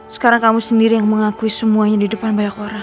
sekarang kamu sendiri yang mengakui semuanya di depan banyak orang